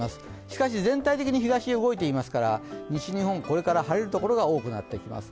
しかし、全体的に東へ動いていますから西日本、これから晴れる所が多くなってきます。